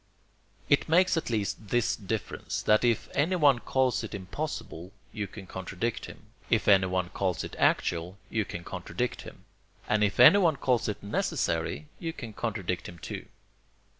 It makes at least this difference that if anyone calls it impossible you can contradict him, if anyone calls it actual you can contradict HIM, and if anyone calls it necessary you can contradict him too.